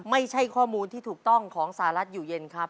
ไม่ใช่ข้อมูลที่ถูกต้องของสหรัฐอยู่เย็นครับ